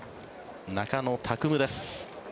中野拓夢です。